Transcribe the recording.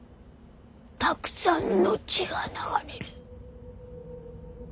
たくさんの血が流れる。